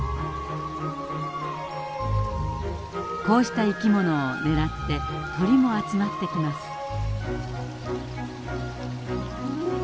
こうした生き物を狙って鳥も集まってきます。